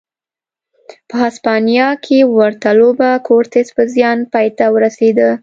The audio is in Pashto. په هسپانیا کې ورته لوبه کورتس پر زیان پای ته ورسېده.